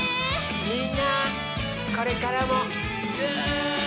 みんなこれからもずっと。